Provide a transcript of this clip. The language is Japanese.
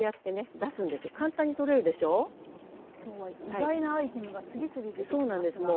今日は意外なアイテムが次々出てきますが。